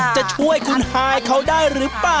จะช่วยคุณฮายเขาได้หรือเปล่า